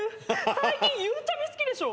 最近ゆうちゃみ好きでしょ